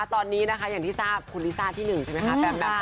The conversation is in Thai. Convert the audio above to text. ตอนนี้นะคะอย่างที่ทราบคุณลิซ่าที่๑ใช่ไหมคะ